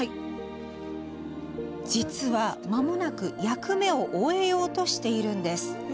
実は、まもなく役目を終えようとしているんです。